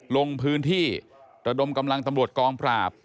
ลงพื้นที่ระดมกำลังตำรวจกองปราบ